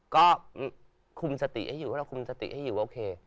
ก็คุมสติให้อยู่เราคุมสติให้อยู่ว่าโอเค